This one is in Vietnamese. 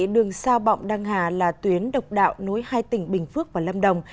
đường sao bọng đăng hà là tuyến độc đạo nối hai tỉnh bình phước và lâm đồng